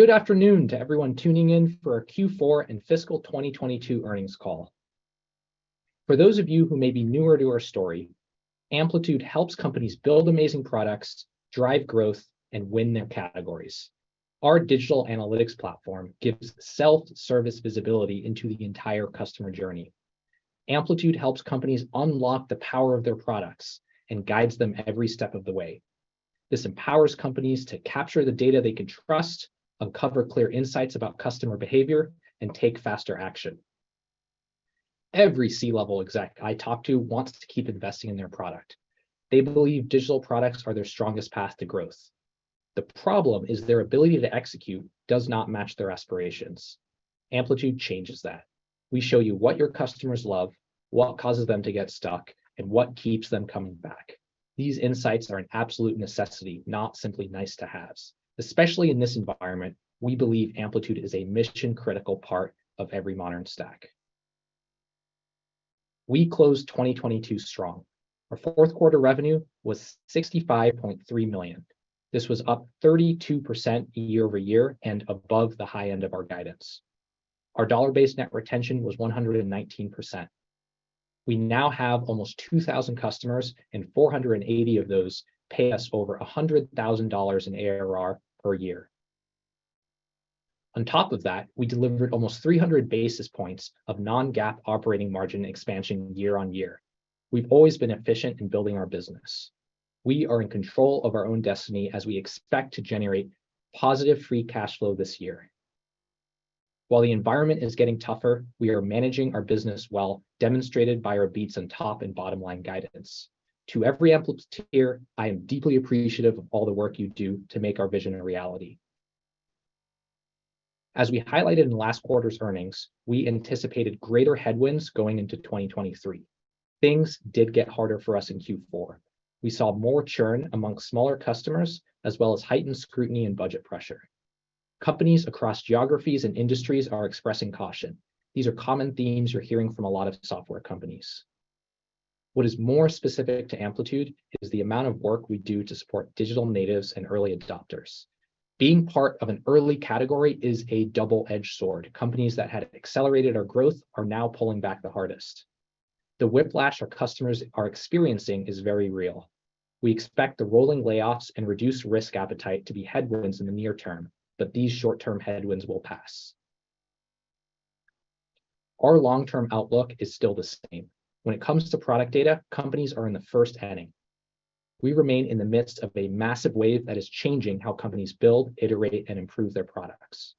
Good afternoon to everyone tuning in for our Q4 and fiscal 2022 earnings call. For those of you who may be newer to our story, Amplitude helps companies build amazing products, drive growth, and win their categories. Our digital analytics platform gives self-service visibility into the entire customer journey. Amplitude helps companies unlock the power of their products and guides them every step of the way. This empowers companies to capture the data they can trust, uncover clear insights about customer behavior, and take faster action. Every C-level exec I talk to wants to keep investing in their product. They believe digital products are their strongest path to growth. The problem is their ability to execute does not match their aspirations. Amplitude changes that. We show you what your customers love, what causes them to get stuck, and what keeps them coming back. These insights are an absolute necessity, not simply nice-to-haves. Especially in this environment, we believe Amplitude is a mission-critical part of every modern stack. We closed 2022 strong. Our fourth quarter revenue was $65.3 million. This was up 32% year-over-year and above the high end of our guidance. Our dollar-based net retention was 119%. We now have almost 2,000 customers, and 480 of those pay us over $100,000 in ARR per year. On top of that, we delivered almost 300 basis points of non-GAAP operating margin expansion year-on-year. We've always been efficient in building our business. We are in control of our own destiny as we expect to generate positive free cash flow this year. While the environment is getting tougher, we are managing our business well, demonstrated by our beats on top and bottom-line guidance. To every Amplituder, I am deeply appreciative of all the work you do to make our vision a reality. As we highlighted in last quarter's earnings, we anticipated greater headwinds going into 2023. Things did get harder for us in Q4. We saw more churn amongst smaller customers, as well as heightened scrutiny and budget pressure. Companies across geographies and industries are expressing caution. These are common themes you're hearing from a lot of software companies. What is more specific to Amplitude is the amount of work we do to support digital natives and early adopters. Being part of an early category is a double-edged sword. Companies that had accelerated our growth are now pulling back the hardest. The whiplash our customers are experiencing is very real. We expect the rolling layoffs and reduced risk appetite to be headwinds in the near term, but these short-term headwinds will pass. Our long-term outlook is still the same. When it comes to product data, companies are in the first inning. We remain in the midst of a massive wave that is changing how companies build, iterate, and improve their products.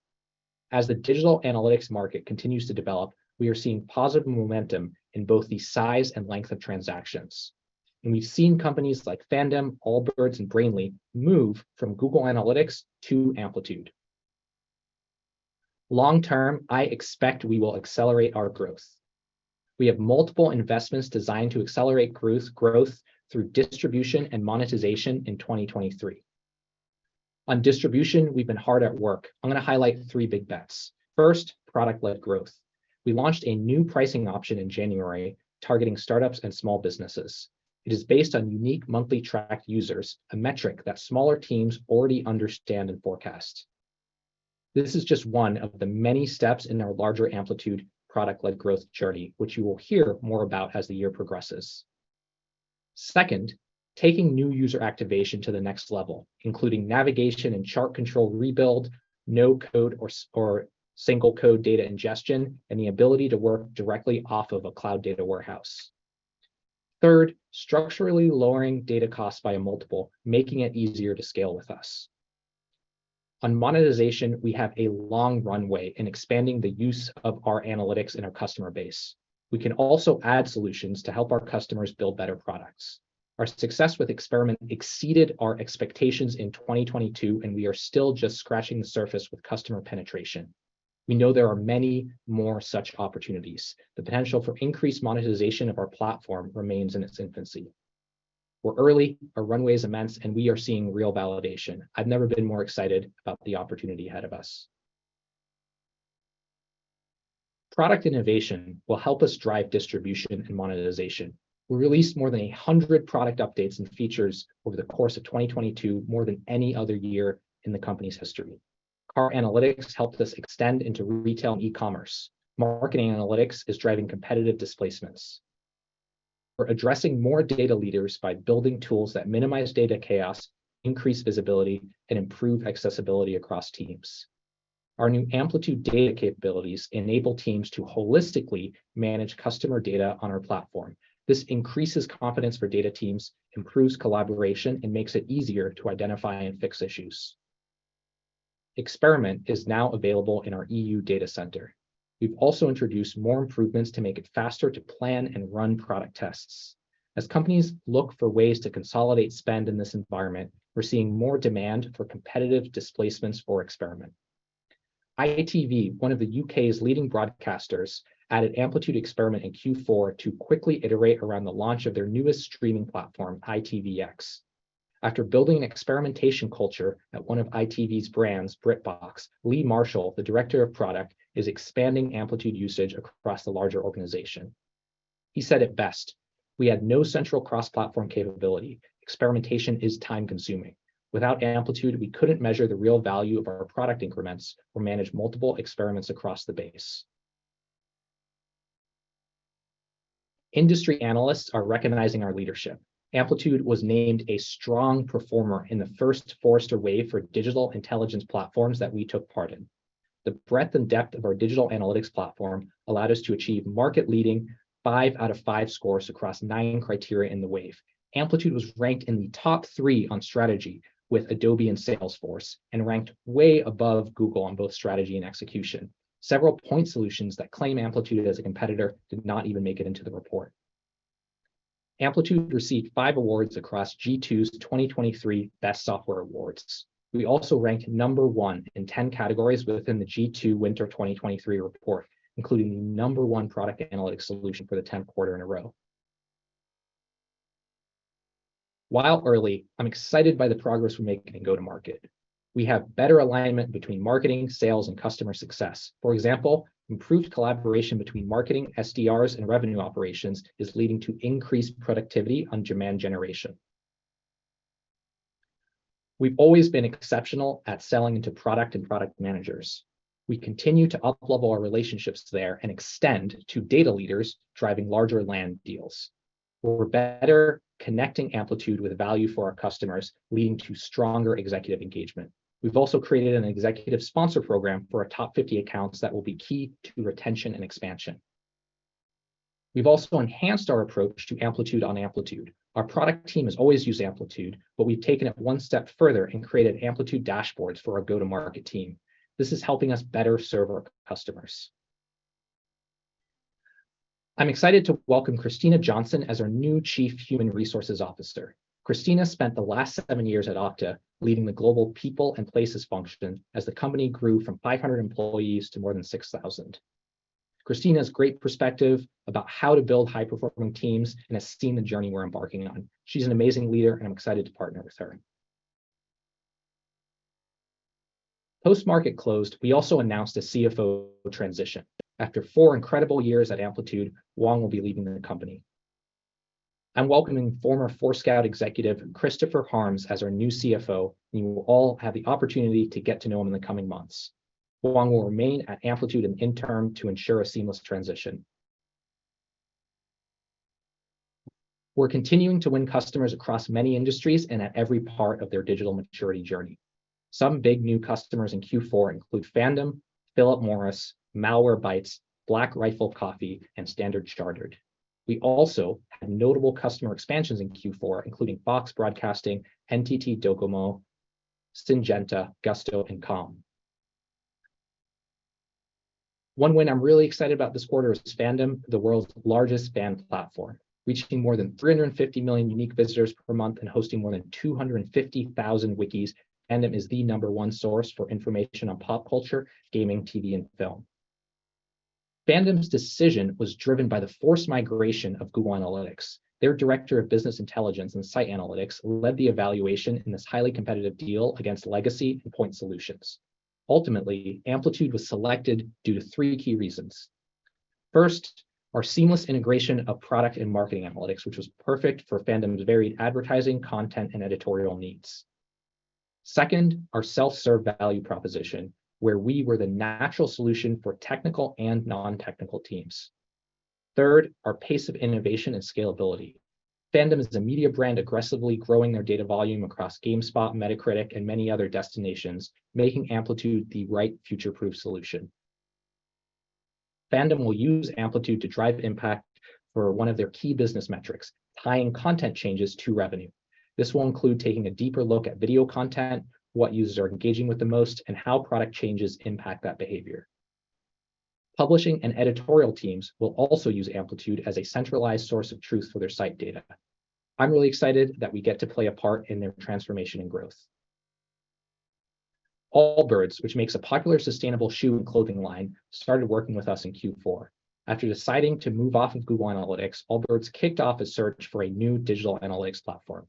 We've seen companies like Fandom, Allbirds, and Brainly move from Google Analytics to Amplitude. Long term, I expect we will accelerate our growth. We have multiple investments designed to accelerate growth through distribution and monetization in 2023. On distribution, we've been hard at work. I'm going to highlight three big bets. First, product-led growth. We launched a new pricing option in January targeting startups and small businesses. It is based on unique monthly tracked users, a metric that smaller teams already understand and forecast. This is just one of the many steps in our larger Amplitude product-led growth journey, which you will hear more about as the year progresses. Second, taking new user activation to the next level, including navigation and chart control rebuild, no-code or single code data ingestion, and the ability to work directly off of a cloud data warehouse. Third, structurally lowering data costs by a multiple, making it easier to scale with us. On monetization, we have a long runway in expanding the use of our analytics in our customer base. We can also add solutions to help our customers build better products. Our success with Experiment exceeded our expectations in 2022, and we are still just scratching the surface with customer penetration. We know there are many more such opportunities. The potential for increased monetization of our platform remains in its infancy. We're early, our runway is immense, and we are seeing real validation. I've never been more excited about the opportunity ahead of us. Product innovation will help us drive distribution and monetization. We released more than 100 product updates and features over the course of 2022, more than any other year in the company's history. Our analytics helped us extend into retail and e-commerce. Marketing analytics is driving competitive displacements. We're addressing more data leaders by building tools that minimize data chaos, increase visibility, and improve accessibility across teams. Our new Amplitude Data capabilities enable teams to holistically manage customer data on our platform. This increases confidence for data teams, improves collaboration, and makes it easier to identify and fix issues. Experiment is now available in our E.U. data center. We've also introduced more improvements to make it faster to plan and run product tests. As companies look for ways to consolidate spend in this environment, we're seeing more demand for competitive displacements for Experiment. ITV, one of the U.K.'s leading broadcasters, added Amplitude Experiment in Q4 to quickly iterate around the launch of their newest streaming platform, ITVX. After building an experimentation culture at one of ITV's brands, BritBox, Lee Marshall, the Director of Product, is expanding Amplitude usage across the larger organization. He said it best: We had no central cross-platform capability. Experimentation is time-consuming. Without Amplitude, we couldn't measure the real value of our product increments or manage multiple experiments across the base. Industry analysts are recognizing our leadership. Amplitude was named a strong performer in the first Forrester Wave for Digital Intelligence Platforms that we took part in. The breadth and depth of our digital analytics platform allowed us to achieve market-leading five out of five scores across nine criteria in the Wave. Amplitude was ranked in the top three on strategy with Adobe and Salesforce and ranked way above Google on both strategy and execution. Several point solutions that claim Amplitude as a competitor did not even make it into the report. Amplitude received five awards across G2's 2023 Best Software Awards. We also ranked number one in 10 categories within the G2 Winter 2023 report, including the number one product analytics solution for the 10th quarter in a row. While early, I'm excited by the progress we're making in go-to-market. We have better alignment between marketing, sales, and customer success. For example, improved collaboration between marketing, SDRs, and revenue operations is leading to increased productivity on demand generation. We've always been exceptional at selling into product and product managers. We continue to up-level our relationships there and extend to data leaders driving larger land deals. We're better connecting Amplitude with value for our customers, leading to stronger executive engagement. We've also created an executive sponsor program for our top 50 accounts that will be key to retention and expansion. We've also enhanced our approach to Amplitude on Amplitude. Our product team has always used Amplitude, but we've taken it one step further and created Amplitude dashboards for our go-to-market team. This is helping us better serve our customers. I'm excited to welcome Kristina Johnson as our new chief human resources officer. Kristina spent the last seven years at Okta leading the global people and places function as the company grew from 500 employees to more than 6,000. Kristina has great perspective about how to build high-performing teams and has seen the journey we're embarking on. She's an amazing leader, and I'm excited to partner with her. Post market closed, we also announced a CFO transition. After four incredible years at Amplitude, Hoang will be leaving the company. I'm welcoming former Forescout executive Christopher Harms as our new CFO, and you will all have the opportunity to get to know him in the coming months. Hoang will remain at Amplitude in interim to ensure a seamless transition. We're continuing to win customers across many industries and at every part of their digital maturity journey. Some big new customers in Q4 include Fandom, Philip Morris, Malwarebytes, Black Rifle Coffee, and Standard Chartered. We also had notable customer expansions in Q4, including Fox Broadcasting, NTT DOCOMO, Syngenta, Gusto, and Calm. One win I'm really excited about this quarter is Fandom, the world's largest fan platform. Reaching more than 350 million unique visitors per month and hosting more than 250,000 wikis, Fandom is the number one source for information on pop culture, gaming, TV, and film. Fandom's decision was driven by the forced migration of Google Analytics. Their director of business intelligence and site analytics led the evaluation in this highly competitive deal against legacy and point solutions. Ultimately, Amplitude was selected due to three key reasons. First, our seamless integration of product and marketing analytics, which was perfect for Fandom's varied advertising, content, and editorial needs. Second, our self-serve value proposition, where we were the natural solution for technical and non-technical teams. Third, our pace of innovation and scalability. Fandom is a media brand aggressively growing their data volume across GameSpot, Metacritic, and many other destinations, making Amplitude the right future-proof solution. Fandom will use Amplitude to drive impact for one of their key business metrics, tying content changes to revenue. This will include taking a deeper look at video content, what users are engaging with the most, and how product changes impact that behavior. Publishing and editorial teams will also use Amplitude as a centralized source of truth for their site data. I'm really excited that we get to play a part in their transformation and growth. Allbirds, which makes a popular sustainable shoe and clothing line, started working with us in Q4. After deciding to move off of Google Analytics, Allbirds kicked off a search for a new digital analytics platform.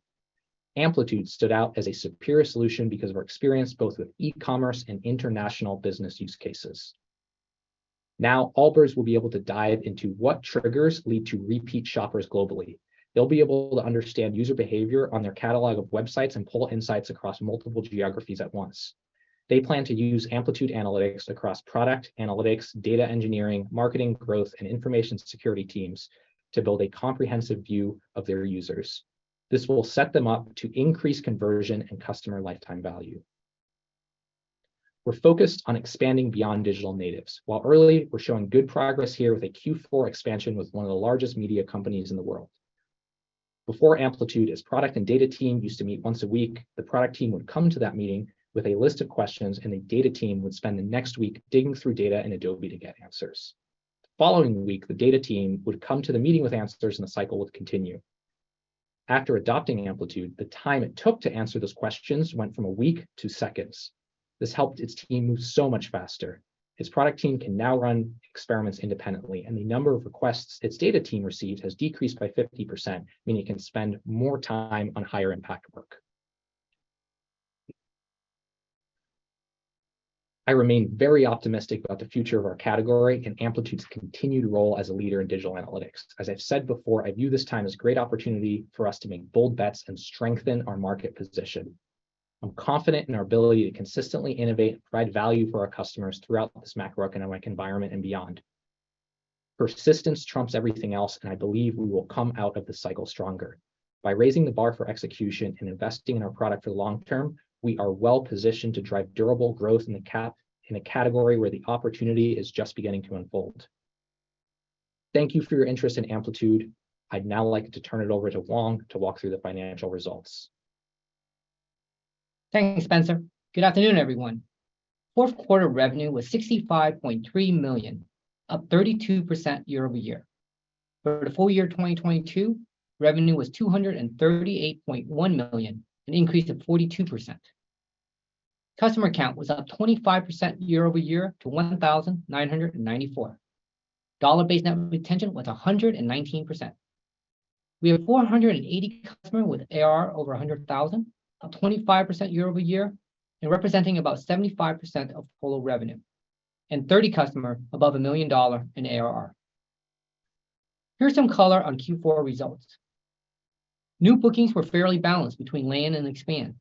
Amplitude stood out as a superior solution because of our experience both with e-commerce and international business use cases. Now, Allbirds will be able to dive into what triggers lead to repeat shoppers globally. They'll be able to understand user behavior on their catalog of websites and pull insights across multiple geographies at once. They plan to use Amplitude analytics across product analytics, data engineering, marketing, growth, and information security teams to build a comprehensive view of their users. This will set them up to increase conversion and customer lifetime value. We're focused on expanding beyond digital natives. While early, we're showing good progress here with a Q4 expansion with one of the largest media companies in the world. Before Amplitude, its product and data team used to meet once a week. The product team would come to that meeting with a list of questions, and the data team would spend the next week digging through data in Adobe to get answers. The following week, the data team would come to the meeting with answers, and the cycle would continue. After adopting Amplitude, the time it took to answer those questions went from a week to seconds. This helped its team move so much faster. Its product team can now run experiments independently, and the number of requests its data team received has decreased by 50%, meaning it can spend more time on higher impact work. I remain very optimistic about the future of our category and Amplitude's continued role as a leader in digital analytics. As I've said before, I view this time as a great opportunity for us to make bold bets and strengthen our market position. I'm confident in our ability to consistently innovate and provide value for our customers throughout this macroeconomic environment and beyond. Persistence trumps everything else, and I believe we will come out of this cycle stronger. By raising the bar for execution and investing in our product for the long term, we are well-positioned to drive durable growth in a category where the opportunity is just beginning to unfold. Thank you for your interest in Amplitude. I'd now like to turn it over to Hoang to walk through the financial results. Thanks, Spencer. Good afternoon, everyone. fourth quarter revenue was $65.3 million, up 32% year-over-year. For the full year of 2022, revenue was $238.1 million, an increase of 42%. Customer count was up 25% year-over-year to 1,994. dollar-based net retention was 119%. We have 480 customer with ARR over $100,000, up 25% year-over-year, and representing about 75% of total revenue, and 30 customer above $1 million in ARR. Here's some color on Q4 results. New bookings were fairly balanced between land and expand.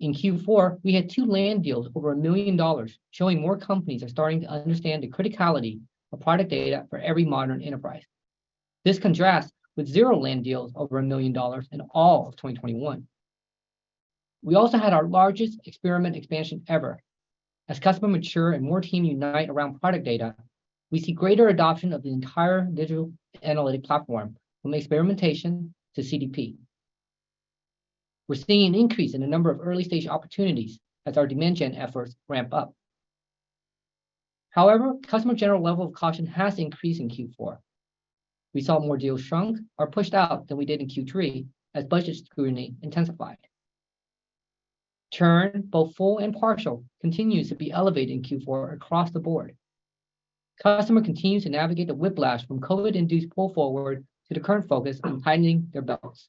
In Q4, we had two land deals over $1 million, showing more companies are starting to understand the criticality of product data for every modern enterprise. This contrasts with zero land deals over $1 million in all of 2021. We also had our largest Experiment expansion ever. As customer mature and more team unite around product data, we see greater adoption of the entire digital analytic platform, from experimentation to CDP. We're seeing an increase in the number of early-stage opportunities as our demand gen efforts ramp up. However, customer general level of caution has increased in Q4. We saw more deals shrunk or pushed out than we did in Q3 as budget scrutiny intensified. Churn, both full and partial, continues to be elevated in Q4 across the board. Customer continues to navigate the whiplash from COVID-induced pull forward to the current focus on tightening their belts.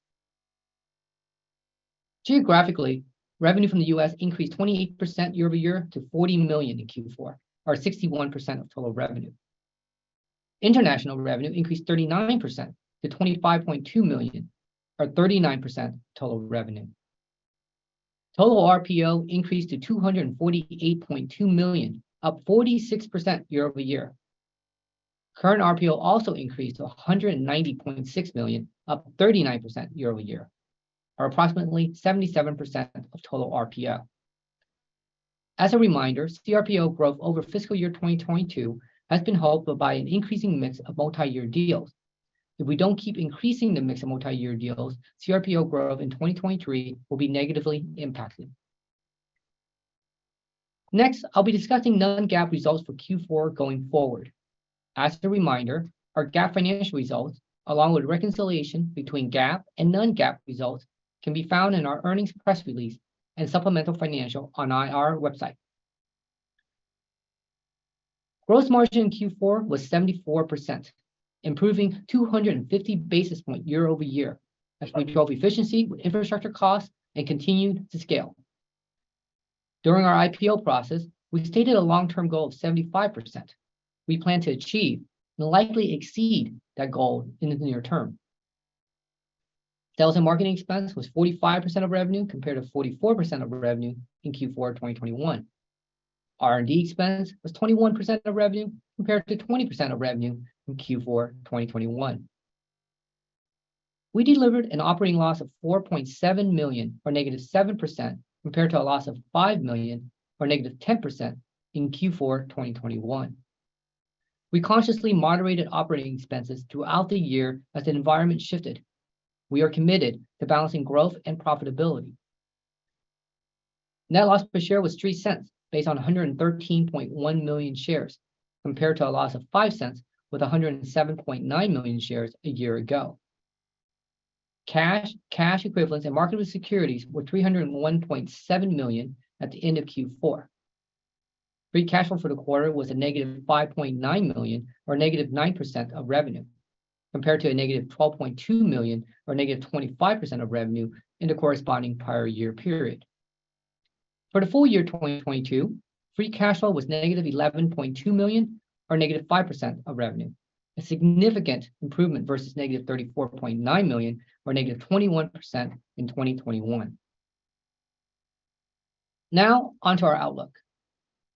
Geographically, revenue from the U.S. increased 28% year-over-year to $40 million in Q4, or 61% of total revenue. International revenue increased 39% to $25.2 million or 39% of total revenue. Total RPO increased to $248.2 million, up 46% year-over-year. Current RPO also increased to $190.6 million, up 39% year-over-year, or approximately 77% of total RPO. As a reminder, CRPO growth over fiscal year 2022 has been helped by an increasing mix of multi-year deals. If we don't keep increasing the mix of multi-year deals, CRPO growth in 2023 will be negatively impacted. Next, I'll be discussing non-GAAP results for Q4 going forward. As a reminder, our GAAP financial results, along with reconciliation between GAAP and non-GAAP results, can be found in our earnings press release and supplemental financial on IR website. Gross margin in Q4 was 74%, improving 250 basis point year-over-year as we drove efficiency with infrastructure costs and continued to scale. During our IPO process, we stated a long-term goal of 75%. We plan to achieve and likely exceed that goal in the near term. Sales and marketing expense was 45% of revenue, compared to 44% of revenue in Q4 of 2021. R&D expense was 21% of revenue, compared to 20% of revenue in Q4 of 2021. We delivered an operating loss of $4.7 million, or -7%, compared to a loss of $5 million, or -10%, in Q4 of 2021. We consciously moderated operating expenses throughout the year as the environment shifted. We are committed to balancing growth and profitability. Net loss per share was $0.03 based on 113.1 million shares, compared to a loss of $0.05 with 107.9 million shares a year ago. Cash, cash equivalents, and marketable securities were $301.7 million at the end of Q4. Free cash flow for the quarter was -$5.9 million or -9% of revenue, compared to -$12.2 million or -25% of revenue in the corresponding prior year period. For the full year 2022, free cash flow was -$11.2 million or -5% of revenue, a significant improvement versus -$34.9 million or -21% in 2021. On to our outlook.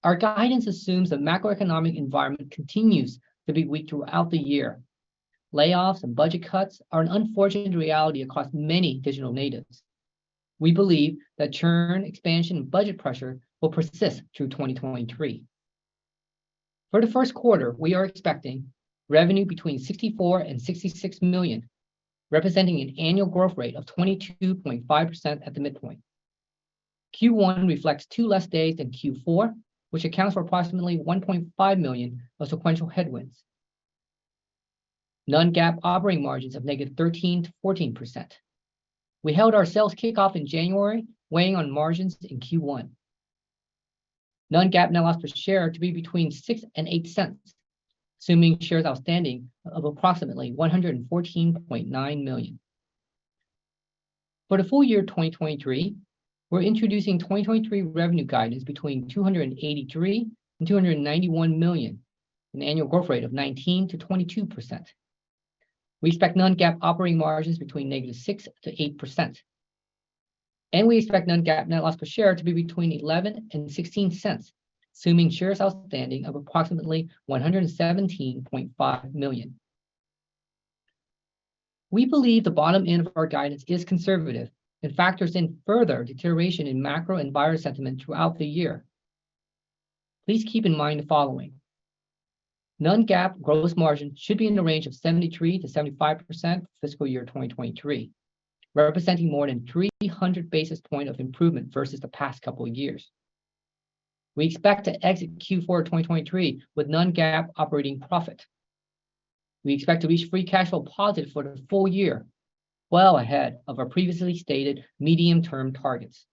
Our guidance assumes the macroeconomic environment continues to be weak throughout the year. Layoffs and budget cuts are an unfortunate reality across many digital natives. We believe that churn, expansion, and budget pressure will persist through 2023. For the first quarter, we are expecting revenue between $64 million and $66 million, representing an annual growth rate of 22.5% at the midpoint. Q1 reflects two less days than Q4, which accounts for approximately $1.5 million of sequential headwinds. Non-GAAP operating margins of -13% to -14%. We held our sales kickoff in January, weighing on margins in Q1. Non-GAAP net loss per share to be between $0.06 and $0.08, assuming shares outstanding of approximately 114.9 million. For the full year 2023, we're introducing 2023 revenue guidance between $283 million and $291 million, an annual growth rate of 19%-22%. We expect non-GAAP operating margins between -6% to 8%. We expect non-GAAP net loss per share to be between $0.11 and $0.16, assuming shares outstanding of approximately 117.5 million. We believe the bottom end of our guidance is conservative. It factors in further deterioration in macro environment sentiment throughout the year. Please keep in mind the following. Non-GAAP gross margin should be in the range of 73%-75% fiscal year 2023, representing more than 300 basis points of improvement versus the past couple of years. We expect to exit Q4 of 2023 with non-GAAP operating profit. We expect to reach free cash flow positive for the full year, well ahead of our previously stated medium term targets.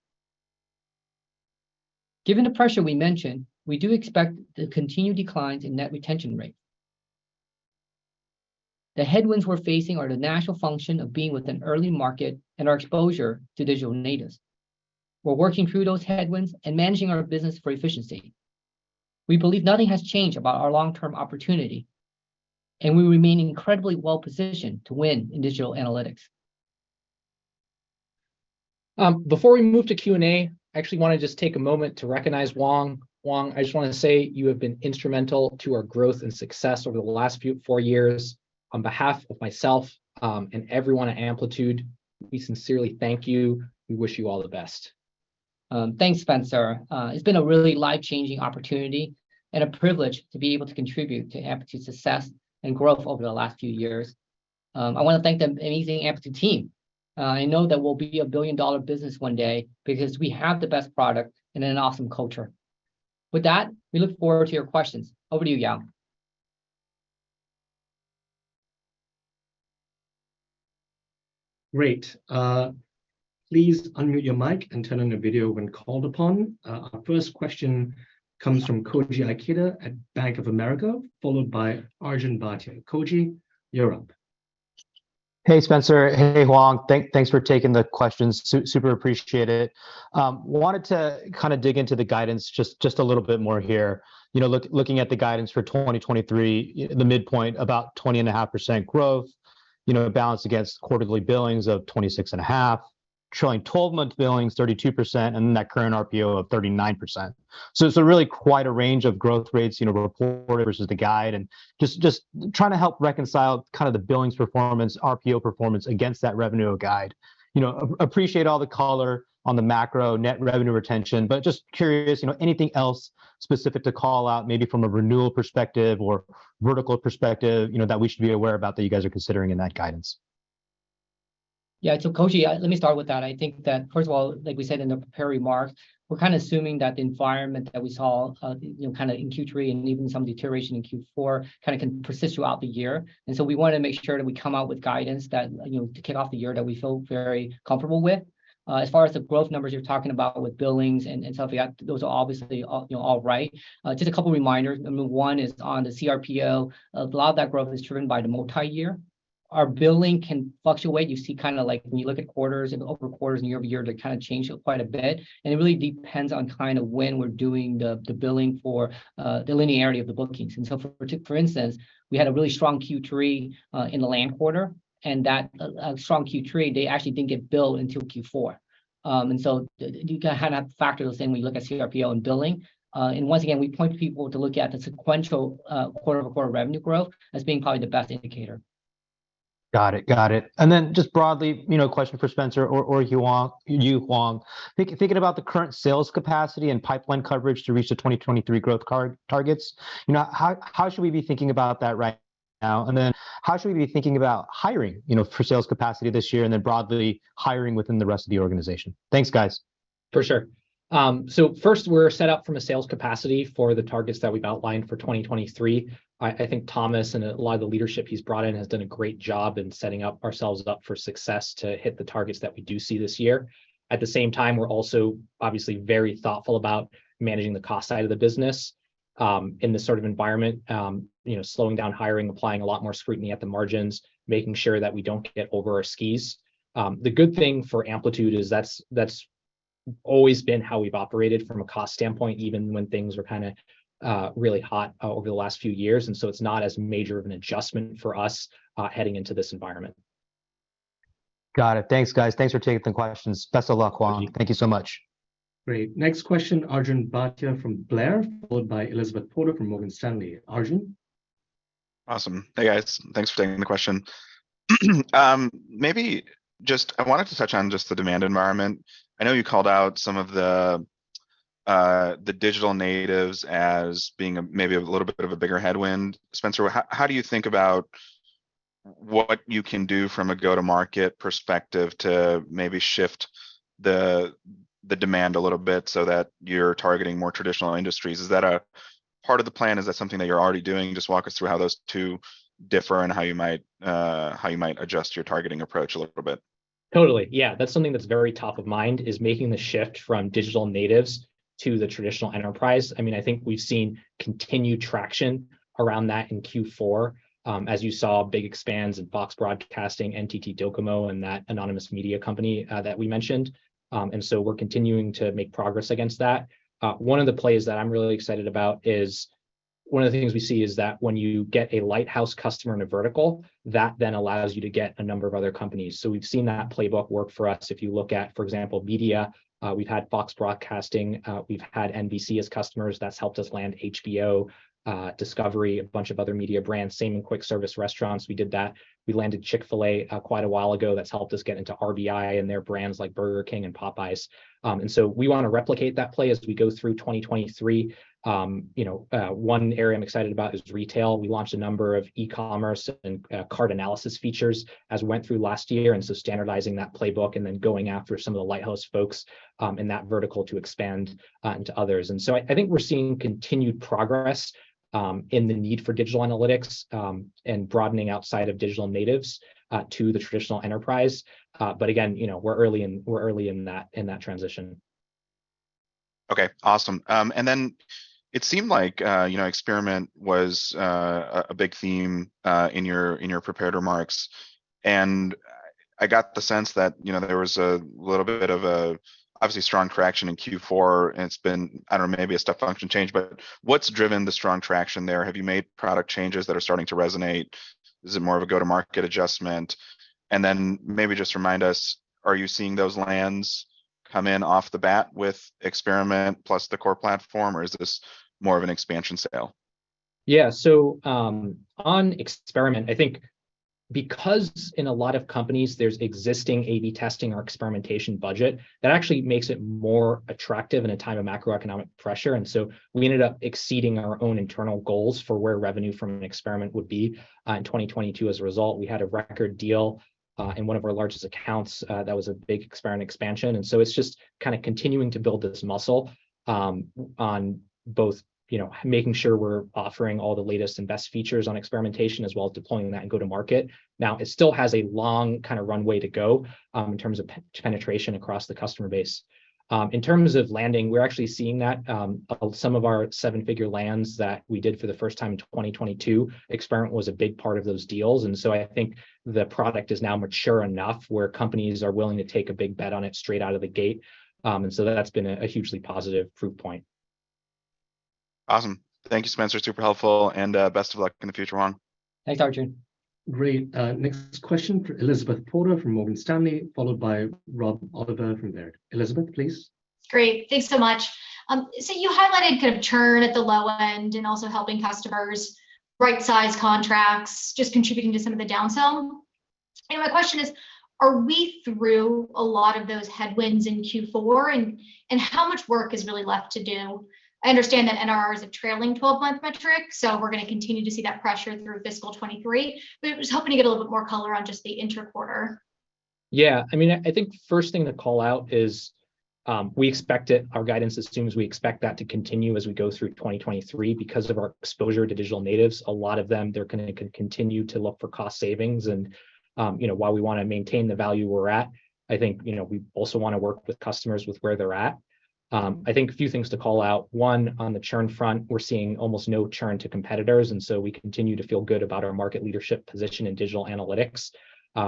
Given the pressure we mentioned, we do expect the continued declines in net retention rate. The headwinds we're facing are the natural function of being with an early market and our exposure to digital natives. We're working through those headwinds and managing our business for efficiency. We believe nothing has changed about our long-term opportunity, and we remain incredibly well-positioned to win in digital analytics. Before we move to Q&A, I actually want to just take a moment to recognize Hoang. Hoang, I just wanted to say you have been instrumental to our growth and success over the last few, four years. On behalf of myself, and everyone at Amplitude, we sincerely thank you. We wish you all the best. Thanks, Spencer. It's been a really life-changing opportunity and a privilege to be able to contribute to Amplitude's success and growth over the last few years. I wanna thank the amazing Amplitude team. I know that we'll be a billion-dollar business one day because we have the best product and an awesome culture. With that, we look forward to your questions. Over to you, Yao. Great. Please unmute your mic and turn on your video when called upon. Our first question comes from Koji Ikeda at Bank of America, followed by Arjun Bhatia. Koji, you're up. Hey, Spencer. Hey, Hoang. Thanks for taking the questions. super appreciate it. wanted to kinda dig into the guidance just a little bit more here. You know, looking at the guidance for 2023, the midpoint about 20.5% growth, you know, balanced against quarterly billings of 26.5%, showing 12-month billings 32%, and then that current RPO of 39%. It's really quite a range of growth rates, you know, reported versus the guide. Just trying to help reconcile kind of the billings performance, RPO performance against that revenue guide. You know, appreciate all the color on the macro net revenue retention, but just curious, you know, anything else specific to call out, maybe from a renewal perspective or vertical perspective, you know, that we should be aware about that you guys are considering in that guidance? Koji, let me start with that. I think that first of all, like we said in the prepared remarks, we're kinda assuming that the environment that we saw, you know, kinda in Q3 and even some deterioration in Q4 kinda can persist throughout the year. We wanna make sure that we come out with guidance that, you know, to kick off the year that we feel very comfortable with. As far as the growth numbers you're talking about with billings and stuff like that, those are obviously all, you know, all right. Just a couple reminders. Number one is on the CRPO. A lot of that growth is driven by the multi-year. Our billing can fluctuate. You see kinda like when you look at quarters and over quarters and year-over-year they kinda change quite a bit. It really depends on kind of when we're doing the billing for the linearity of the bookings. For instance, we had a really strong Q3 in the LAN quarter, and that strong Q3 they actually didn't get billed until Q4. You gotta kinda factor those in when you look at CRPO and billing. Once again, we point people to look at the sequential quarter-over-quarter revenue growth as being probably the best indicator. Got it. Just broadly, you know, a question for Spencer or Hoang, Yu Hoang. Thinking about the current sales capacity and pipeline coverage to reach the 2023 growth targets, you know, how should we be thinking about that right now? How should we be thinking about hiring, you know, for sales capacity this year, and then broadly hiring within the rest of the organization? Thanks, guys. For sure. First we're set up from a sales capacity for the targets that we've outlined for 2023. I think Thomas and a lot of the leadership he's brought in has done a great job in setting up ourselves up for success to hit the targets that we do see this year. At the same time, we're also obviously very thoughtful about managing the cost side of the business in this sort of environment. You know, slowing down hiring, applying a lot more scrutiny at the margins, making sure that we don't get over our skis. The good thing for Amplitude is that's always been how we've operated from a cost standpoint, even when things were kinda really hot over the last few years. It's not as major of an adjustment for us heading into this environment. Got it. Thanks, guys. Thanks for taking the questions. Best of luck, Hoang. Thank you so much. Great. Next question, Arjun Bhatia from William Blair, followed by Elizabeth Porter from Morgan Stanley. Arjun? Awesome. Hey, guys. Thanks for taking the question. Maybe just I wanted to touch on just the demand environment. I know you called out some of the digital natives as being a maybe a little bit of a bigger headwind. Spencer, how do you think about what you can do from a go-to-market perspective to maybe shift the demand a little bit so that you're targeting more traditional industries? Is that a part of the plan? Is that something that you're already doing? Just walk us through how those two differ and how you might adjust your targeting approach a little bit. Totally. Yeah. That's something that's very top of mind is making the shift from digital natives to the traditional enterprise. I mean, I think we've seen continued traction around that in Q4, as you saw big expands in Fox Broadcasting, NTT DOCOMO, and that anonymous media company that we mentioned. We're continuing to make progress against that. One of the plays that I'm really excited about is one of the things we see is that when you get a lighthouse customer in a vertical, that then allows you to get a number of other companies. We've seen that playbook work for us. If you look at, for example, media, we've had Fox Broadcasting, we've had NBC as customers. That's helped us land HBO, Discovery, a bunch of other media brands. Same in quick service restaurants, we did that. We landed Chick-fil-A, quite a while ago. That's helped us get into RBI and their brands like Burger King and Popeyes. We wanna replicate that play as we go through 2023. You know, one area I'm excited about is retail. We launched a number of e-commerce and cart analysis features as we went through last year, and so standardizing that playbook and then going after some of the lighthouse folks in that vertical to expand into others. I think we're seeing continued progress in the need for digital analytics and broadening outside of digital natives to the traditional enterprise. Again, you know, we're early in that transition. Okay, awesome. It seemed like, you know, Experiment was a big theme in your prepared remarks, and I got the sense that, you know, there was a little bit of a, obviously, strong traction in Q4, and it's been, I don't know, maybe a step function change. What's driven the strong traction there? Have you made product changes that are starting to resonate? Is it more of a go-to-market adjustment? Maybe just remind us, are you seeing those lands come in off the bat with Experiment plus the core platform, or is this more of an expansion sale? Yeah. On Experiment, I think because in a lot of companies there's existing A/B testing or experimentation budget, that actually makes it more attractive in a time of macroeconomic pressure. We ended up exceeding our own internal goals for where revenue from an experiment would be in 2022 as a result. We had a record deal in one of our largest accounts that was a big Experiment expansion. It's just kinda continuing to build this muscle on both, you know, making sure we're offering all the latest and best features on experimentation as well as deploying that and go to market. Now, it still has a long kinda runway to go in terms of penetration across the customer base. In terms of landing, we're actually seeing that of some of our seven-figure lands that we did for the first time in 2022, Experiment was a big part of those deals. I think the product is now mature enough where companies are willing to take a big bet on it straight out of the gate. That's been a hugely positive proof point. Awesome. Thank you, Spencer. Super helpful. Best of luck in the future, Hoang. Thanks, Arjun. Great. Next question for Elizabeth Porter from Morgan Stanley, followed by Rob Oliver from there. Elizabeth, please. Great. Thanks so much. So you highlighted kind of churn at the low end and also helping customers right-size contracts, just contributing to some of the downsell. My question is, are we through a lot of those headwinds in Q4, and how much work is really left to do? I understand that NRR is a trailing 12-month metric, so we're gonna continue to see that pressure through fiscal 2023. Just hoping to get a little bit more color on just the inter-quarter. Yeah. I mean, I think first thing to call out is, we expect it. Our guidance assumes we expect that to continue as we go through 2023 because of our exposure to digital natives. A lot of them, they're gonna continue to look for cost savings. You know, while we wanna maintain the value we're at, I think, you know, we also wanna work with customers with where they're at. I think a few things to call out, one, on the churn front, we're seeing almost no churn to competitors. We continue to feel good about our market leadership position in digital analytics.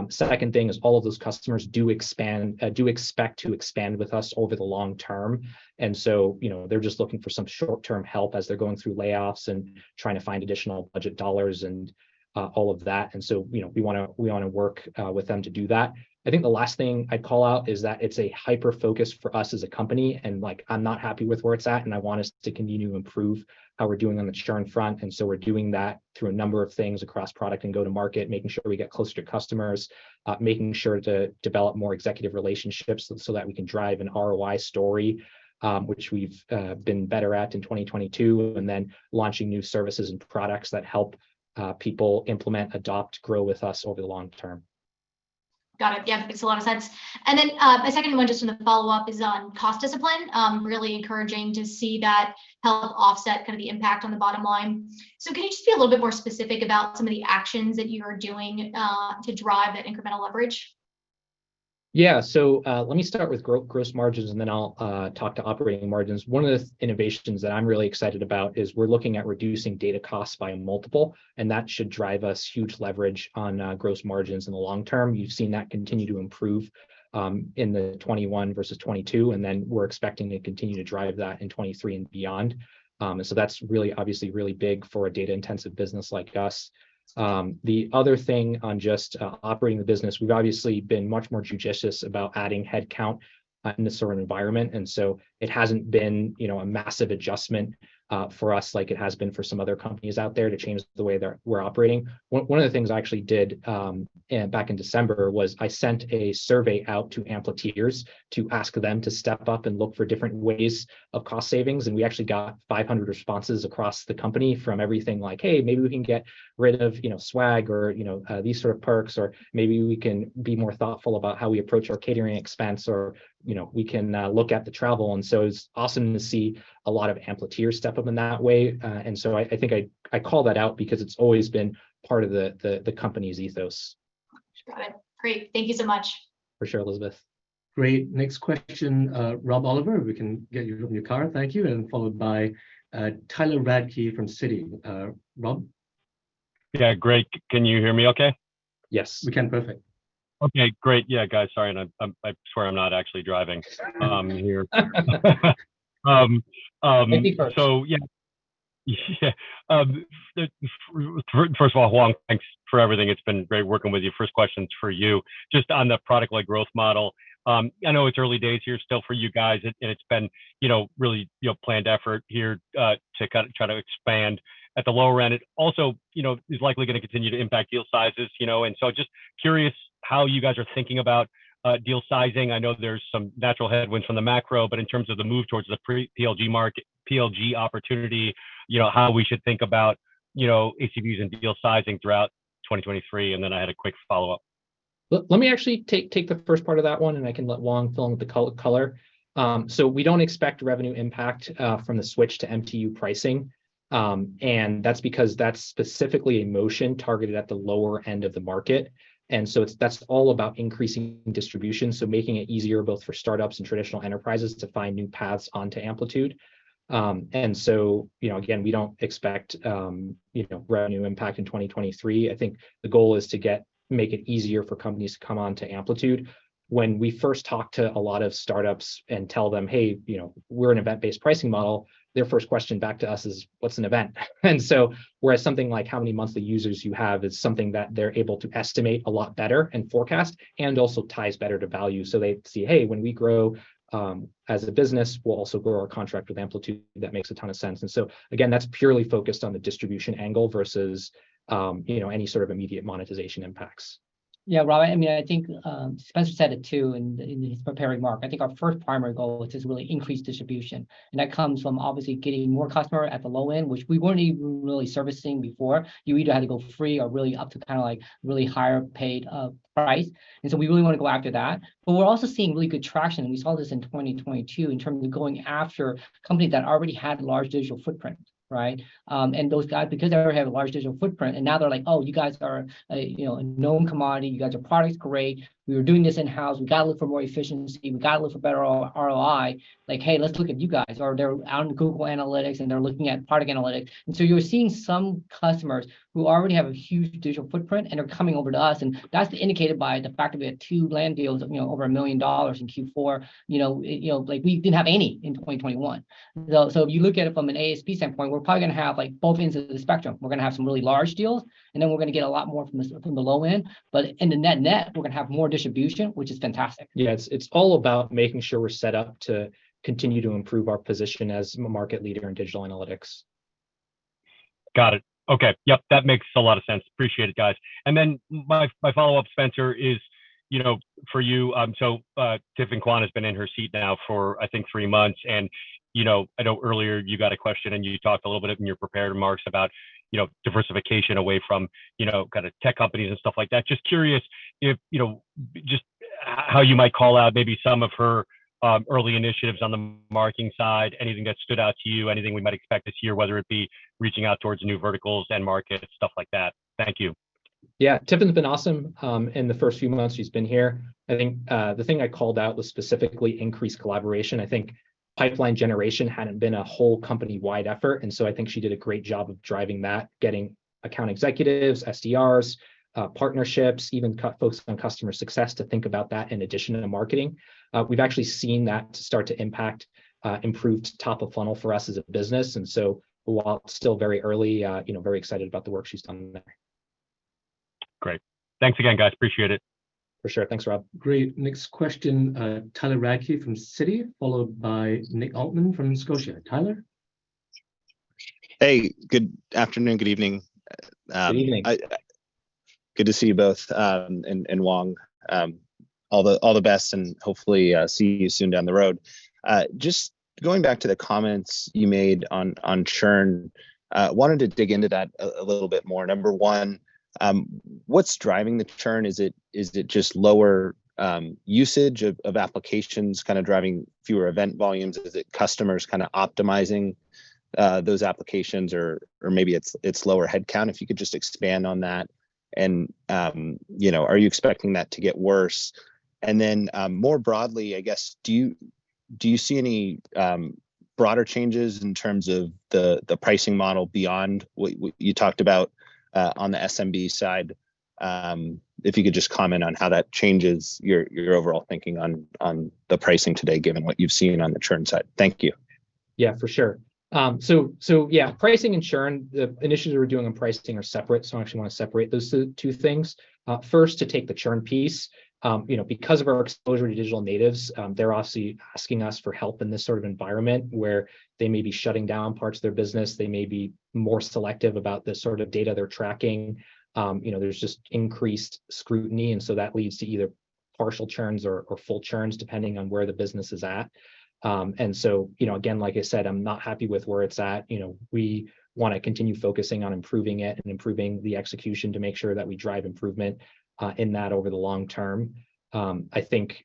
Second thing is all of those customers do expand, do expect to expand with us over the long term. You know, they're just looking for some short-term help as they're going through layoffs and trying to find additional budget dollars and all of that. You know, we wanna work with them to do that. I think the last thing I'd call out is that it's a hyper-focus for us as a company, and, like, I'm not happy with where it's at, and I want us to continue to improve how we're doing on the churn front. We're doing that through a number of things across product and go-to-market, making sure we get close to customers, making sure to develop more executive relationships so that we can drive an ROI story, which we've been better at in 2022, and then launching new services and products that help people implement, adopt, grow with us over the long term. Got it. Yeah, makes a lot of sense. A second one, just in the follow-up, is on cost discipline. Really encouraging to see that help offset kind of the impact on the bottom line. Can you just be a little bit more specific about some of the actions that you're doing, to drive that incremental leverage? Let me start with gross margins, and then I'll talk to operating margins. One of the innovations that I'm really excited about is we're looking at reducing data costs by a multiple, and that should drive us huge leverage on gross margins in the long term. You've seen that continue to improve in the 2021 versus 2022, and we're expecting to continue to drive that in 2023 and beyond. That's really, obviously really big for a data-intensive business like us. The other thing on just operating the business, we've obviously been much more judicious about adding headcount in this sort of environment. It hasn't been, you know, a massive adjustment for us like it has been for some other companies out there to change the way we're operating. One of the things I actually did back in December was I sent a survey out to Amplituders to ask them to step up and look for different ways of cost savings, and we actually got 500 responses across the company from everything like, "Hey, maybe we can get rid of, you know, swag," or, you know, these sort of perks, or, "Maybe we can be more thoughtful about how we approach our catering expense," or, you know, "We can look at the travel." It's awesome to see a lot of Ampliteer step up in that way. I think I call that out because it's always been part of the company's ethos. Great. Thank you so much. For sure, Elizabeth. Great. Next question, Rob Oliver, if we can get you from your car. Thank you. Followed by, Tyler Radke from Citi. Rob? Yeah. Great. Can you hear me okay? Yes, we can. Perfect. Okay, great. Yeah, guys, sorry. I swear I'm not actually driving here. Thank you for it.... so yeah. Yeah. First of all, Hoang, thanks for everything. It's been great working with you. First question's for you, just on the product-led growth model. I know it's early days here still for you guys, and it's been, you know, really, you know, planned effort here to try to expand at the lower end. It also, you know, is likely gonna continue to impact deal sizes, you know. Just curious how you guys are thinking about deal sizing. I know there's some natural headwinds from the macro, but in terms of the move towards the pre-PLG PLG opportunity, you know, how we should think about, you know, ACVs and deal sizing throughout 2023. I had a quick follow-up. Let me actually take the first part of that one, and I can let Hoang fill in the color. We don't expect revenue impact from the switch to MTU pricing, and that's because that's specifically a motion targeted at the lower end of the market. That's all about increasing distribution, so making it easier both for startups and traditional enterprises to find new paths onto Amplitude. You know, again, we don't expect, you know, revenue impact in 2023. I think the goal is to make it easier for companies to come onto Amplitude. When we first talk to a lot of startups and tell them, "Hey, you know, we're an event-based pricing model," their first question back to us is, "What's an event?" Whereas something like how many monthly users you have is something that they're able to estimate a lot better and forecast and also ties better to value. They see, "Hey, when we grow, as a business, we'll also grow our contract with Amplitude," that makes a ton of sense. Again, that's purely focused on the distribution angle versus, you know, any sort of immediate monetization impacts. Yeah. Rob, I mean, I think Spencer said it too in his preparing mark. I think our first primary goal is just really increase distribution, that comes from obviously getting more customer at the low end, which we weren't even really servicing before. You either had to go free or really up to kinda like really higher paid price. We really wanna go after that. We're also seeing really good traction, and we saw this in 2022 in terms of going after companies that already had large digital footprint, right? Because they already had a large digital footprint and now they're like, "Oh, you guys are a, you know, a known commodity. You guys, your product is great. We were doing this in-house. We gotta look for more efficiency. We gotta look for better ROI. Like, hey, let's look at you guys." They're out in Google Analytics and they're looking at product analytics. You're seeing some customers who already have a huge digital footprint and are coming over to us, and that's indicated by the fact that we had two land deals of, you know, over $1 million in Q4. You know, it, you know like, we didn't have any in 2021. If you look at it from an ASP standpoint, we're probably gonna have, like, both ends of the spectrum. We're gonna have some really large deals, and then we're gonna get a lot more from the low end. In the net-net, we're gonna have more distribution, which is fantastic. Yeah. It's all about making sure we're set up to continue to improve our position as a market leader in digital analytics. Got it. Okay. Yep, that makes a lot of sense. Appreciate it, guys. My, my follow-up, Spencer, is, you know, for you. Tifenn Dano Kwan has been in her seat now for, I think, three months. You know, I know earlier you got a question and you talked a little bit in your prepared remarks about, you know, diversification away from, you know, kinda tech companies and stuff like that. Just curious if, you know, just how you might call out maybe some of her early initiatives on the marketing side. Anything that stood out to you, anything we might expect this year, whether it be reaching out towards new verticals, end markets, stuff like that? Thank you. Yeah. Tifenn's been awesome, in the first few months she's been here. I think, the thing I called out was specifically increased collaboration. I think pipeline generation hadn't been a whole company-wide effort. I think she did a great job of driving that, getting account executives, SDRs, partnerships, even folks from customer success to think about that in addition to the marketing. We've actually seen that start to impact, improved top of funnel for us as a business. While still very early, you know, very excited about the work she's done there. Great. Thanks again, guys. Appreciate it. For sure. Thanks, Rob. Great. Next question, Tyler Radke from Citi, followed by Nick Altmann from Scotia. Tyler? Hey, good afternoon, good evening. Good evening. Good to see you both, and Hoang. All the best and hopefully, see you soon down the road. Just going back to the comments you made on churn, wanted to dig into that a little bit more. Number one, what's driving the churn? Is it just lower usage of applications kinda driving fewer event volumes? Is it customers kinda optimizing those applications? Or maybe it's lower headcount. If you could just expand on that. You know, are you expecting that to get worse? Then, more broadly, I guess, do you see any broader changes in terms of the pricing model beyond what you talked about on the SMB side? If you could just comment on how that changes your overall thinking on the pricing today given what you've seen on the churn side. Thank you. Yeah, for sure. Yeah, pricing and churn, the initiatives we're doing on pricing are separate, so I actually wanna separate those two things. First, to take the churn piece, you know, because of our exposure to digital natives, they're obviously asking us for help in this sort of environment, where they may be shutting down parts of their business, they may be more selective about the sort of data they're tracking. You know, there's just increased scrutiny, and so that leads to either partial churns or full churns, depending on where the business is at. You know, again, like I said, I'm not happy with where it's at. You know, we wanna continue focusing on improving it and improving the execution to make sure that we drive improvement in that over the long term. I think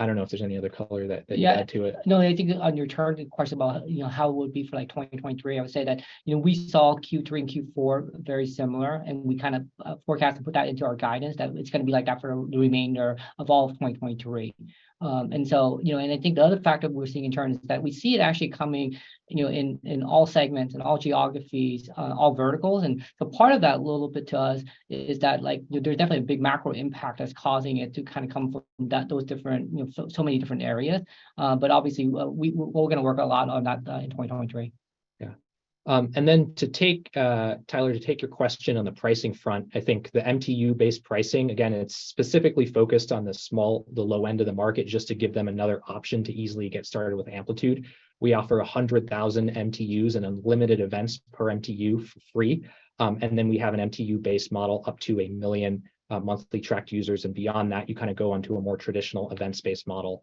I don't know if there's any other color that you can add to it. Yeah. No, I think on your target question about, you know, how it would be for, like, 2023, I would say that, you know, we saw Q3 and Q4 very similar, and we kind of, forecasted, put that into our guidance, that it's gonna be like that for the remainder of all of 2023. You know, I think the other factor we're seeing in turn is that we see it actually coming, you know, in all segments and all geographies, all verticals. Part of that a little bit to us is that, like, there's definitely a big macro impact that's causing it to kinda come from that, those different, you know, so many different areas. Obviously we're gonna work a lot on that, in 2023. Yeah. To take Tyler, to take your question on the pricing front, I think the MTU-based pricing, again, it's specifically focused on the small, the low end of the market, just to give them another option to easily get started with Amplitude. We offer 100,000 MTUs and unlimited events per MTU free. Then we have an MTU-based model up to a million monthly tracked users, beyond that, you kind of go onto a more traditional events-based model.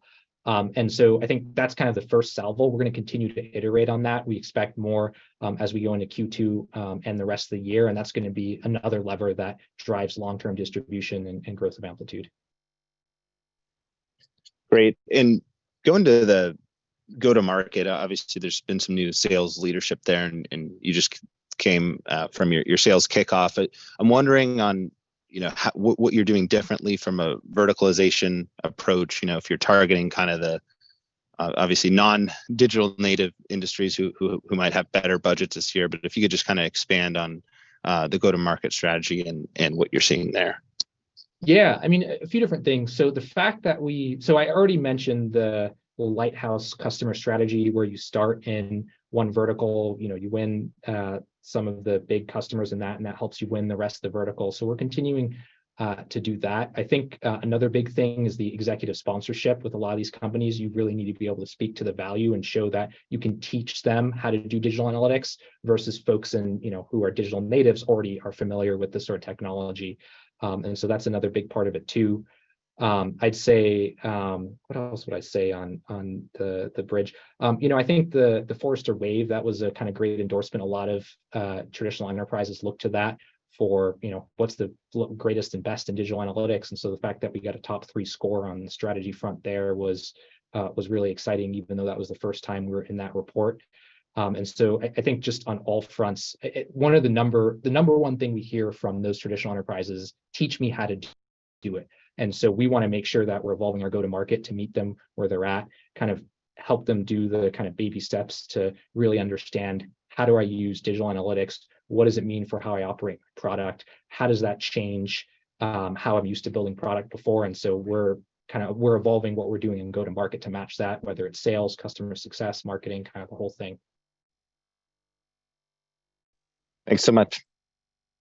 So I think that's kind of the first salvo. We're gonna continue to iterate on that. We expect more as we go into Q2, and the rest of the year, that's gonna be another lever that drives long-term distribution and growth of Amplitude. Great. Going to the go-to-market, obviously there's been some new sales leadership there and you just came from your sales kickoff. I'm wondering on, you know, how, what you're doing differently from a verticalization approach, you know, if you're targeting kinda obviously non-digital native industries who might have better budgets this year. If you could just kinda expand on the go-to-market strategy and what you're seeing there. Yeah. I mean, a few different things. I already mentioned the lighthouse customer strategy where you start in one vertical. You know, you win some of the big customers in that, and that helps you win the rest of the vertical. We're continuing to do that. I think another big thing is the executive sponsorship. With a lot of these companies, you really need to be able to speak to the value and show that you can teach them how to do digital analytics versus folks in, you know, who are digital natives, already are familiar with this sort of technology. That's another big part of it too. I'd say what else would I say on the bridge? You know, I think the Forrester Wave, that was a kinda great endorsement. A lot of traditional enterprises look to that for, you know, what's the greatest and best in digital analytics. The fact that we got a top three score on the strategy front there was really exciting, even though that was the first time we were in that report. I think just on all fronts, the number one thing we hear from those traditional enterprises, "Teach me how to do it." We wanna make sure that we're evolving our go-to-market to meet them where they're at, kind of help them do the kind of baby steps to really understand, how do I use digital analytics? What does it mean for how I operate product? How does that change, how I'm used to building product before? We're kinda, we're evolving what we're doing in go-to-market to match that, whether it's sales, customer success, marketing, kind of the whole thing. Thanks so much.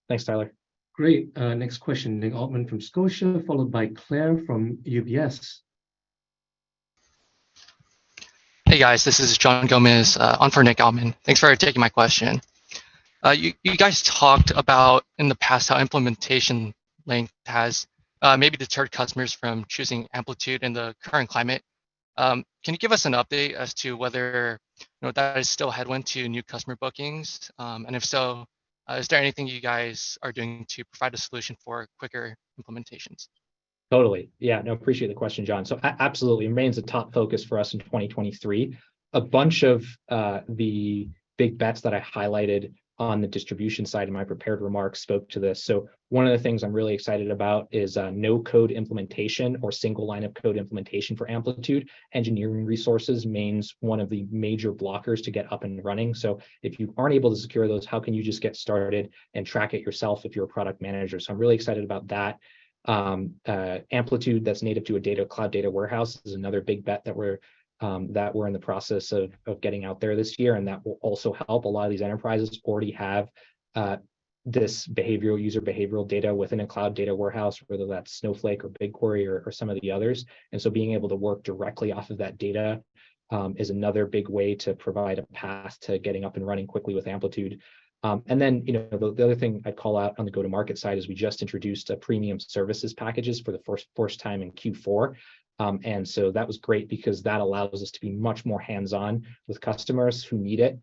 Thanks, Tyler. Great. Next question, Nick Altmann from Scotia, followed by Claire from UBS. Hey, guys. This is John Gomez, on for Nick Altmann. Thanks for taking my question. You guys talked about in the past how implementation length has maybe deterred customers from choosing Amplitude in the current climate. Can you give us an update as to whether, you know, that is still a headwind to new customer bookings? If so, is there anything you guys are doing to provide a solution for quicker implementations? Totally. Yeah, no, appreciate the question, John. Absolutely, it remains a top focus for us in 2023. A bunch of the big bets that I highlighted on the distribution side of my prepared remarks spoke to this. One of the things I'm really excited about is no code implementation or single line of code implementation for Amplitude. Engineering resources remains one of the major blockers to get up and running. If you aren't able to secure those, how can you just get started and track it yourself if you're a product manager? I'm really excited about that. Amplitude that's native to a data, cloud data warehouse is another big bet that we're in the process of getting out there this year, and that will also help. A lot of these enterprises already have this behavioral, user behavioral data within a cloud data warehouse, whether that's Snowflake or BigQuery or some of the others. Being able to work directly off of that data is another big way to provide a path to getting up and running quickly with Amplitude. You know, the other thing I'd call out on the go-to-market side is we just introduced a premium services packages for the first time in Q4. That was great because that allows us to be much more hands-on with customers who need it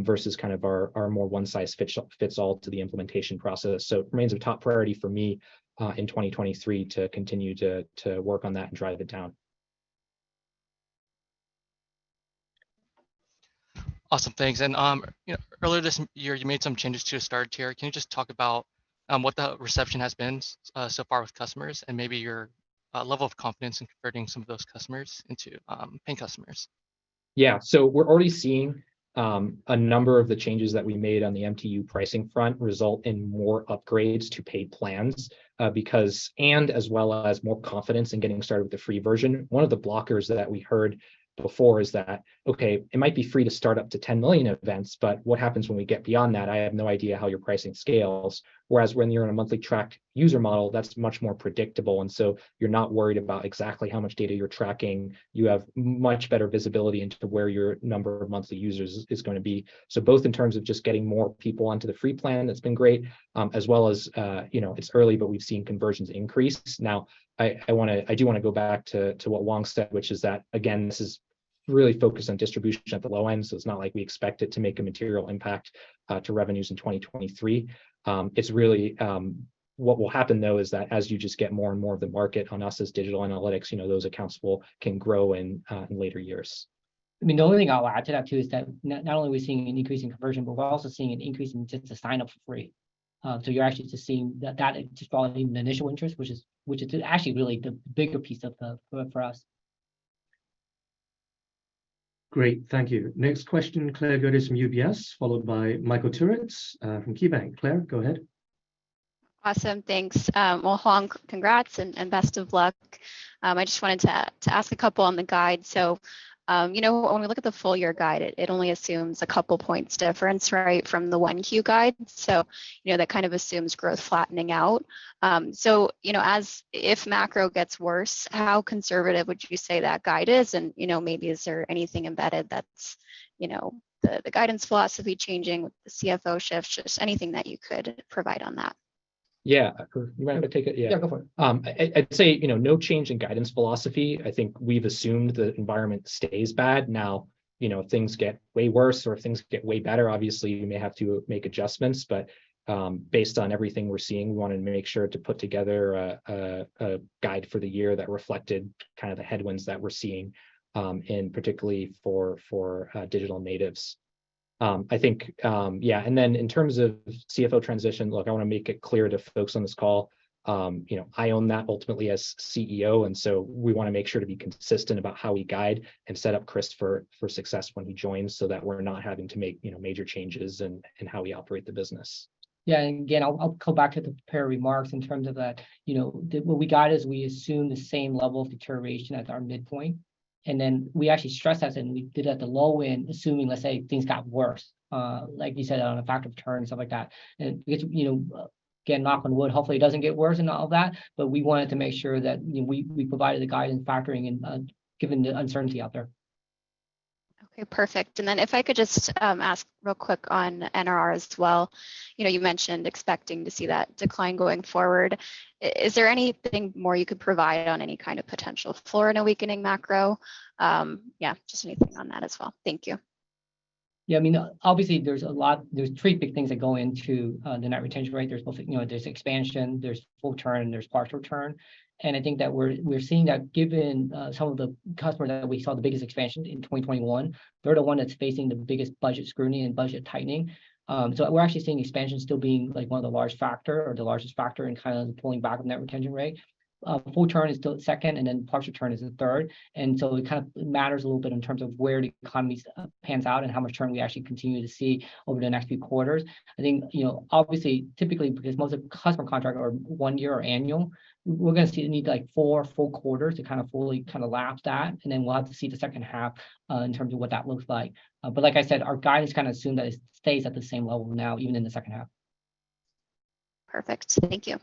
versus kind of our more one-size-fits-all to the implementation process. It remains a top priority for me in 2023 to continue to work on that and drive it down. Awesome, thanks. you know, earlier this year you made some changes to your start tier. Can you just talk about what the reception has been so far with customers and maybe your level of confidence in converting some of those customers into paying customers? We're already seeing a number of the changes that we made on the MTU pricing front result in more upgrades to paid plans, because, and as well as more confidence in getting started with the free version. One of the blockers that we heard before is that, okay, it might be free to start up to 10 million events, but what happens when we get beyond that? I have no idea how your pricing scales. Whereas when you're on a monthly tracked user model, that's much more predictable, and so you're not worried about exactly how much data you're tracking. You have much better visibility into where your number of monthly users is gonna be. Both in terms of just getting more people onto the free plan, that's been great, as well as, you know, it's early, but we've seen conversions increase. I do wanna go back to what Wang said, which is that, again, really focused on distribution at the low end, so it's not like we expect it to make a material impact to revenues in 2023. What will happen though is that as you just get more and more of the market on us as digital analytics, you know, those accounts can grow in later years. I mean, the only thing I'll add to that too is that not only are we seeing an increase in conversion, but we're also seeing an increase in just the sign-up for free. You're actually just seeing that just volume and initial interest, which is actually really the bigger piece of the for us. Great. Thank you. Next question, Claire Gerdes from UBS, followed by Michael Turits from KeyBank. Claire, go ahead. Awesome. Thanks. Well, Hoang, congrats and best of luck. I just wanted to ask 2 on the guide. You know, when we look at the full year guide, it only assumes a couple points difference, right, from the 1Q guide. You know, that kind of assumes growth flattening out. You know, as if macro gets worse, how conservative would you say that guide is? You know, maybe is there anything embedded that's, you know, the guidance philosophy changing with the CFO shift? Just anything that you could provide on that? Yeah. You wanna take it? Yeah. Yeah, go for it. I'd say, you know, no change in guidance philosophy. I think we've assumed the environment stays bad. Now, you know, if things get way worse or if things get way better, obviously, we may have to make adjustments. Based on everything we're seeing, we wanted to make sure to put together a guide for the year that reflected kind of the headwinds that we're seeing, and particularly for digital natives. I think, yeah. In terms of CFO transition, look, I wanna make it clear to folks on this call, you know, I own that ultimately as CEO, and so we wanna make sure to be consistent about how we guide and set up Chris for success when he joins so that we're not having to make, you know, major changes in how we operate the business. Yeah. Again, I'll go back to the prepared remarks in terms of that, you know, What we guide is we assume the same level of deterioration as our midpoint, and then we actually stress test and we did at the low end, assuming let's say things got worse, like you said, on a factor of return and stuff like that. It's, you know, again, knock on wood, hopefully it doesn't get worse and all that, but we wanted to make sure that, you know, we provided the guidance factoring in, given the uncertainty out there. Okay. Perfect. If I could just ask real quick on NRR as well? You know, you mentioned expecting to see that decline going forward. Is there anything more you could provide on any kind of potential floor in a weakening macro? Yeah, just anything on that as well. Thank you. Yeah, I mean, obviously, there's three big things that go into the net retention rate. There's both, you know, there's expansion, there's full return, there's partial return. I think that we're seeing that given some of the customer that we saw the biggest expansion in 2021, they're the one that's facing the biggest budget scrutiny and budget tightening. We're actually seeing expansion still being like one of the large factor or the largest factor in kind of the pulling back of net retention rate. Full return is still at second, partial return is at third. It kind of matters a little bit in terms of where the economy pans out and how much return we actually continue to see over the next few quarters. I think, you know, obviously, typically because most of the customer contract are 1 year annual, we're gonna see, need like four full quarters to kind of fully kinda lap that, and then we'll have to see the second half, in terms of what that looks like. Like I said, our guide is kinda assumed that it stays at the same level now, even in the second half. Perfect. Thank you.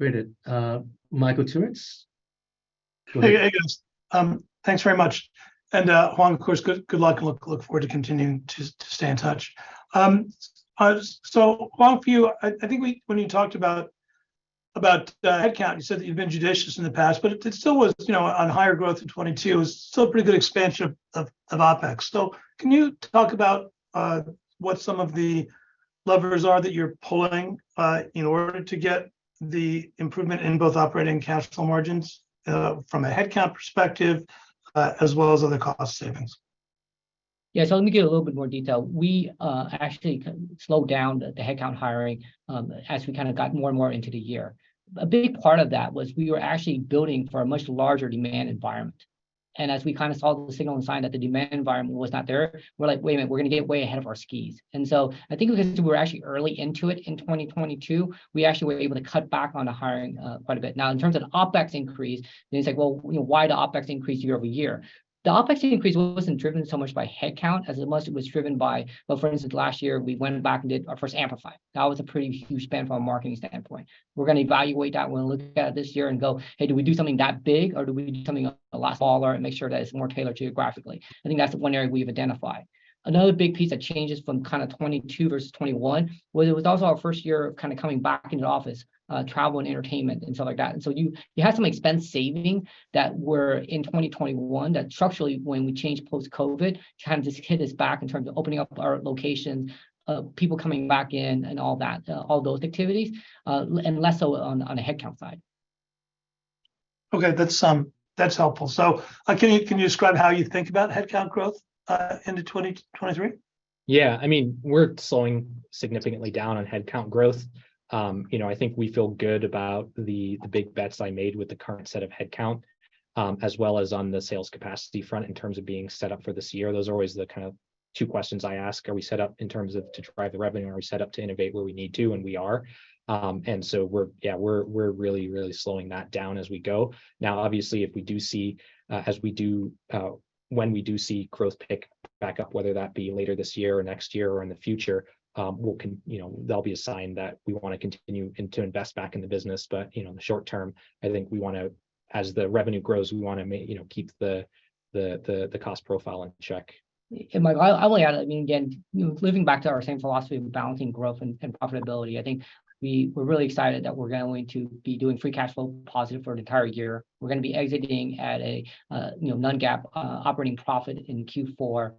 Great. Michael Turits. Go ahead. Hey. Hey, guys. Thanks very much. Hoang, of course, good luck, and look forward to continuing to stay in touch. Hoang, for you, I think we when you talked about headcount, you said that you've been judicious in the past, but it still was, you know, on higher growth in 2022. It was still pretty good expansion of OpEx. Can you talk about what some of the levers are that you're pulling in order to get the improvement in both operating cash flow margins, from a headcount perspective, as well as other cost savings? Yeah. Let me give a little bit more detail. We actually slowed down the headcount hiring as we kinda got more and more into the year. A big part of that was we were actually building for a much larger demand environment. As we kinda saw the signal and sign that the demand environment was not there, we're like, "Wait a minute, we're gonna get way ahead of our skis." I think because we're actually early into it in 2022, we actually were able to cut back on the hiring quite a bit. Now, in terms of OpEx increase, and it's like, well, you know, why the OpEx increase year-over-year? The OpEx increase wasn't driven so much by headcount as it much it was driven by, well, for instance, last year we went back and did our first Amplify. That was a pretty huge spend from a marketing standpoint. We're gonna evaluate that. We're gonna look at it this year and go, "Hey, do we do something that big, or do we do something a lot smaller and make sure that it's more tailored geographically?" I think that's one area we've identified. Another big piece that changes from kinda 2022 versus 2021, was it was also our first year of kinda coming back into the office, travel and entertainment and stuff like that. You had some expense saving that were in 2021 that structurally when we changed post-COVID, kinda just hit us back in terms of opening up our locations, people coming back in and all that, all those activities, and less so on a headcount side. Okay. That's helpful. Can you describe how you think about headcount growth into 2023? Yeah. I mean, we're slowing significantly down on headcount growth. You know, I think we feel good about the big bets I made with the current set of headcount, as well as on the sales capacity front in terms of being set up for this year. Those are always the kind of two questions I ask. Are we set up in terms of to drive the revenue? Are we set up to innovate where we need to? We are. We're, yeah, we're really slowing that down as we go. Now, obviously, if we do see, as we do, when we do see growth pick back up, whether that be later this year or next year or in the future, You know, that'll be a sign that we wanna continue and to invest back in the business. You know, in the short term, I think we wanna, as the revenue grows, we wanna you know, keep the cost profile in check. Mike, I wanna add, I mean, again, you know, living back to our same philosophy of balancing growth and profitability, I think we're really excited that we're going to be doing free cash flow positive for an entire year. We're gonna be exiting at a, you know, non-GAAP operating profit in Q4.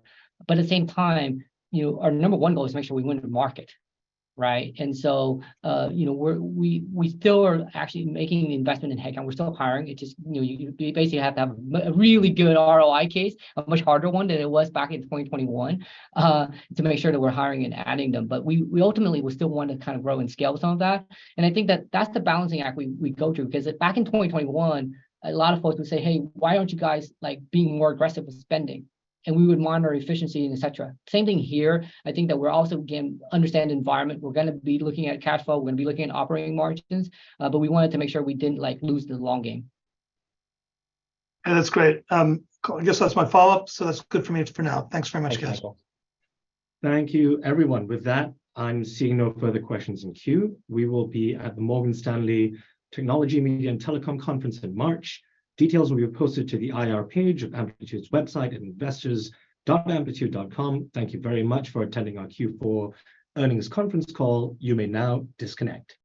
At the same time, you know, our number 1 goal is to make sure we win the market, right? You know, we're, we still are actually making the investment in headcount. We're still hiring. It just, you know, you basically have to have a really good ROI case, a much harder one than it was back in 2021, to make sure that we're hiring and adding them. We ultimately, we still want to kind of grow and scale some of that. I think that that's the balancing act we go through. Back in 2021, a lot of folks would say, "Hey, why aren't you guys like being more aggressive with spending?" We would monitor efficiency and et cetera. Same thing here. I think that we're also, again, understand the environment. We're gonna be looking at cash flow. We're gonna be looking at operating margins. We wanted to make sure we didn't like lose the long game. That's great. I guess that's my follow-up, so that's good for me for now. Thanks very much, guys. Thank you. Thank you, everyone. With that, I'm seeing no further questions in queue. We will be at the Morgan Stanley Technology, Media & Telecom Conference in March. Details will be posted to the IR page of Amplitude's website at investors.amplitude.com. Thank you very much for attending our Q4 earnings conference call. You may now disconnect.